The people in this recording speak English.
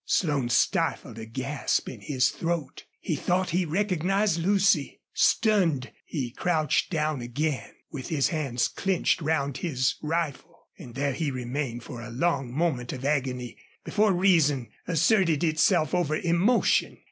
Slone stifled a gasp in his throat. He thought he recognized Lucy. Stunned, he crouched down again with his hands clenched round his rifle. And there he remained for a long moment of agony before reason asserted itself over emotion.